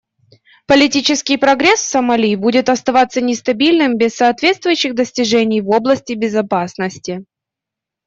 Политический прогресс в Сомали будет оставаться нестабильным без соответствующих достижений в области безопасности.